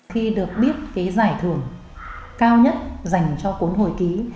khi được biết cái giải thưởng cao nhất dành cho cuốn hồi ký